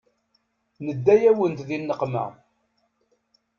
Nedda-yawent di nneqma.